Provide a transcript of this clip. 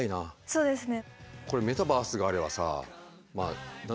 そうですね。